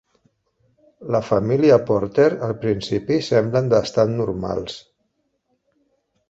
La família Porter al principi semblen bastant normals.